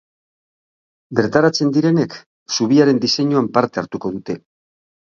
Bertaratzen direnek zubiaren diseinuan parte hartuko dute.